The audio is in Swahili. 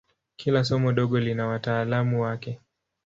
Kila somo dogo lina wataalamu wake.